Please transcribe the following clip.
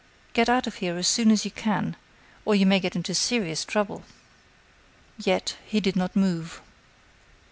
Get out of here as soon as you can, or you may get into serious trouble." Yet, he did not move.